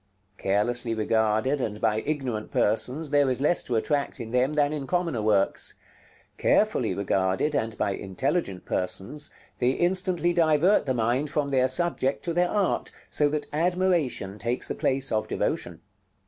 Carelessly regarded, and by ignorant persons, there is less to attract in them than in commoner works. Carefully regarded, and by intelligent persons, they instantly divert the mind from their subject to their art, so that admiration takes the place of devotion.